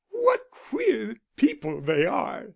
"What queer people they are!"